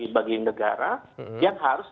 bagi negara yang harus